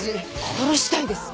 殺したいです。